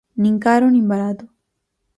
Nin caro nin barato.